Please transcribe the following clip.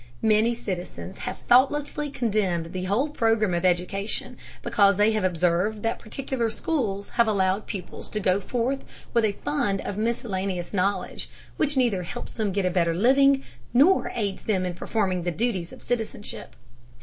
Many citizens have thoughtlessly condemned the whole program of education because they have observed that particular schools have allowed pupils to go forth with a fund of miscellaneous knowledge which neither helps them to get a better living, nor aids them in performing the duties of citizenship.